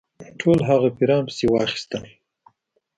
ټول هغه پیران پسي واخیستل.